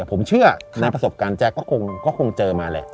ผมเชื่อในประสบการณ์แจ๊คก็คงเจอมาแหละ